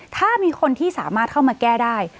ถ้ามีคนที่สามารถเข้ามาแก้ได้